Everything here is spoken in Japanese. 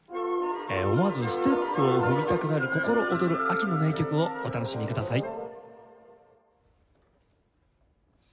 思わずステップを踏みたくなる心躍る秋の名曲をお楽しみください。